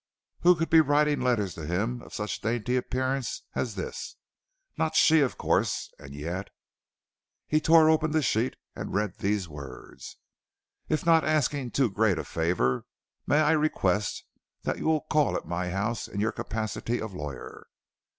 Who could be writing letters to him of such dainty appearance as this? Not she, of course, and yet He tore open the sheet, and read these words: "If not asking too great a favor, may I request that you will call at my house, in your capacity of lawyer.